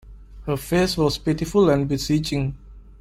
Her face was pitiful and beseeching.